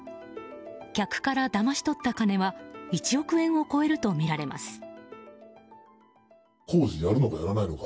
客からだまし取った金は１億円を超えるとみられます。